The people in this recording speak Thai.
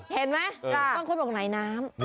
เห็นไหมบางคนบอกไหนน้ำ